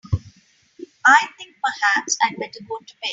I think perhaps I'd better go to bed.